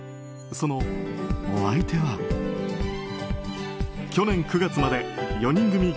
そのお相手は、去年９月まで４人組